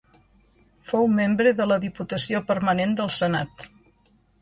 Fou membre de la Diputació Permanent del Senat.